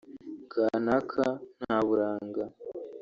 kanaka nta buranga